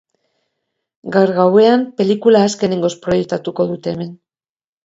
Gaur gauean, pelikula azkenekoz proiektatuko dute hemen.